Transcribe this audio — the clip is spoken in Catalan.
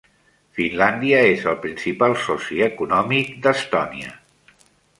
Finlàndia és el principal soci econòmic d'Estònia.